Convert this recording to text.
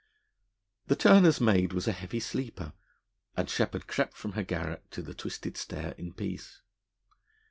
The turner's maid was a heavy sleeper, and Sheppard crept from her garret to the twisted stair in peace.